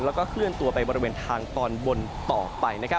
แล้วก็เคลื่อนตัวไปบริเวณทางตอนบนต่อไป